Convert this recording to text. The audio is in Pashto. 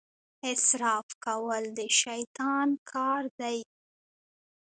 اسراف کول د شیطان کار دی.